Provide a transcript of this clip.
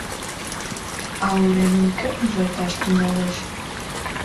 А уремым кӧ ужарташ тӱҥалеш?